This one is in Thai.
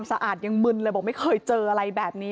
เจ้าของห้องเช่าโพสต์คลิปนี้